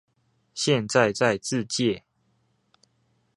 現在在自介